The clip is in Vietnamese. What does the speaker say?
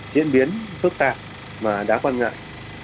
diễn biến phức tạp mà đã quan ngại